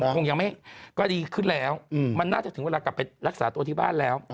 คงยังไม่ก็ดีขึ้นแล้วมันน่าจะถึงเวลากลับไปรักษาตัวที่บ้านแล้ว